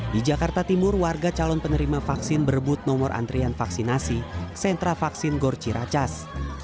di jakarta timur warga calon penerima vaksin berebut nomor antrian vaksinasi sentra vaksin gorci racas